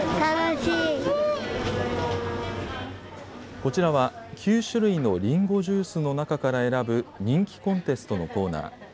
こちらは９種類のりんごジュースの中から選ぶ人気コンテストのコーナー。